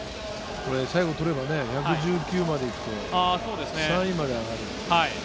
これ、最後取ればね、１１９までいって、３位まで上がる。